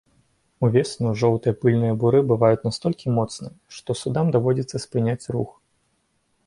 Увесну жоўтыя пыльныя буры бываюць настолькі моцныя, што судам даводзіцца спыняць рух.